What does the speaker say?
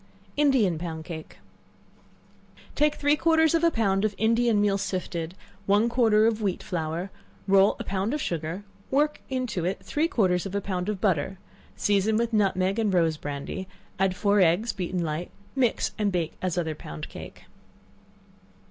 Indian Pound Cake. Take three quarters of a pound of Indian meal sifted, and one quarter of wheat flour; roll a pound of sugar, work into it three quarters of a pound of butter; season with nutmeg and rose brandy; add four eggs beaten light; mix and bake as other pound cake.